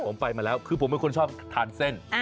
ผมไปมาแล้วคือผมเป็นคนชอบทานเส้น